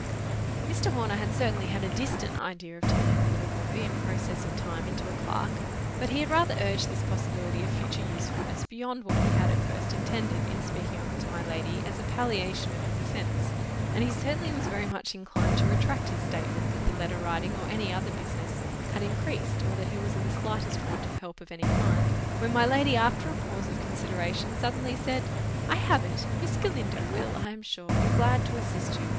Mr. Horner had certainly had a distant idea of turning the little boy, in process of time, into a clerk; but he had rather urged this possibility of future usefulness beyond what he had at first intended, in speaking of it to my lady as a palliation of his offence, and he certainly was very much inclined to retract his statement that the letter writing, or any other business, had increased, or that he was in the slightest want of help of any kind, when my lady after a pause of consideration, suddenly said— "I have it. Miss Galindo will, I am sure, be glad to assist you.